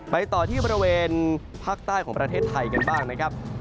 ไปต่อที่บริเวณภาคใต้ของประเทศไทยกันบ้างนะครับ